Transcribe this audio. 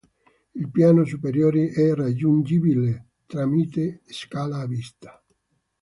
Il piano superiore è raggiungibile tramite scala a vista.